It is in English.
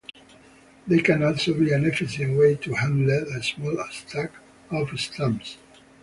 They can also be an efficient way to handle a small stack of stamps.